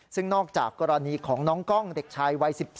ซึ่งนอกจากกรณีของน้องกล้องเด็กชายวัย๑๗